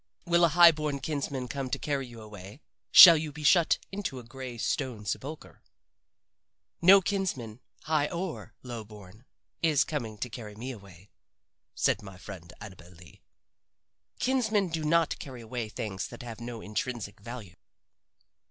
Will a high born kinsman come to carry you away shall you be shut into a gray stone sepulcher?" "No kinsman, high or low born, is coming to carry me away," said my friend Annabel Lee. "Kinsmen do not carry away things that have no intrinsic value."